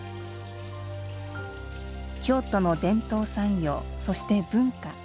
京都の伝統産業、そして文化。